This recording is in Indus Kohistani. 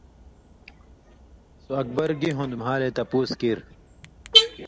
سو اکبر گی ہُوندوۡ، مھالے تپُوس کیر